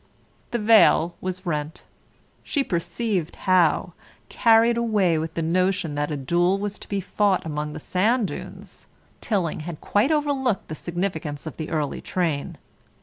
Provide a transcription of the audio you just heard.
The veil was rent. She perceived how, carried away with the notion that a duel was to be fought among the sand dunes, Tilling had quite overlooked the significance of the early train.